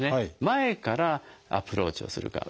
前からアプローチをするか。